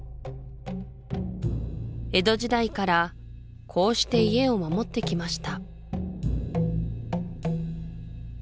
江戸時代からこうして家を守ってきました